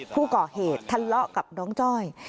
ผู้ก่อเหตุทะเลาะกับน้องจ้อย